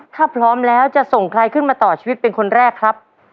ถ้าพร้อมแล้วจะส่งใครขึ้นมาต่อชีวิตเป็นคนแรกครับ